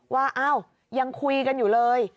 ว่าอ้าวยังคุยกันอยู่เลย